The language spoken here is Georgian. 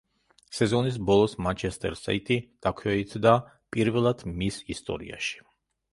სეზონის ბოლოს „მანჩესტერ სიტი“ დაქვეითდა პირველად მის ისტორიაში.